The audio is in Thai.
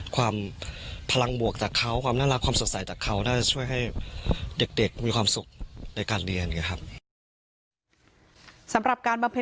ความพลังบวกจากเขาความน่ารักความสุขใส่จากเขา